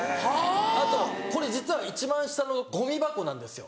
あとこれ実は一番下のごみ箱なんですよ。